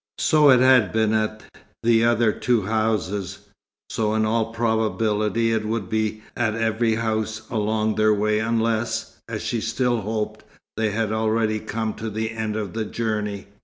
So it had been at the other two houses: so in all probability it would be at every house along their way unless, as she still hoped, they had already come to the end of the journey.